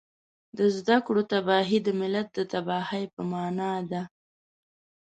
د زده کړو تباهي د ملت د تباهۍ په مانا ده